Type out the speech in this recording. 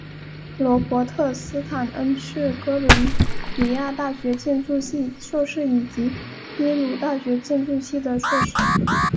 罗伯特斯坦恩是哥伦比亚大学建筑系硕士以及耶鲁大学建筑系的硕士。